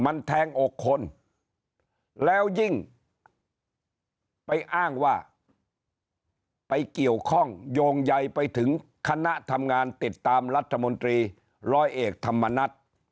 มันแทงอกคนแล้วยิ่งไปอ้างว่าไปเกี่ยวข้องโยงใยไปถึงคณะทำงานติดตามรัฐมนตรีร้อยเอกธรรมนัฐ